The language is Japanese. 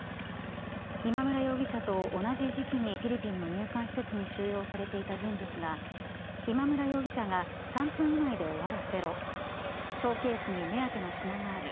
今村容疑者と同じ時期にフィリピンの入管施設に収容されていた人物が今村容疑者が３分以内で終わらせろショーケースに目当ての品がある。